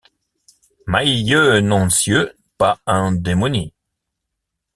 Mai iéu non siéu pas un demòni.